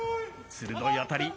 鋭い当たり。